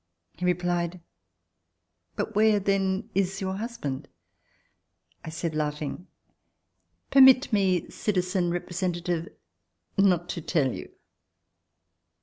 He replied: "But where then is your husband?" I said, laughing, "Permit me, citizen representative, not to tell you."